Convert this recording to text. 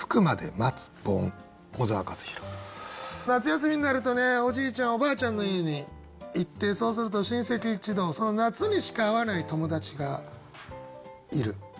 夏休みになるとねおじいちゃんおばあちゃんの家に行ってそうすると親戚一同その夏にしか会わない友達がいる。